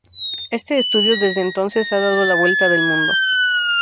Este estudio desde entonces ha dado la vuelta del mundo.